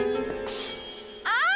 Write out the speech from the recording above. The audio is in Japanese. あっ！